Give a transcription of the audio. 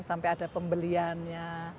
sampai ada pembeliannya